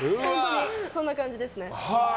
そんな感じですね。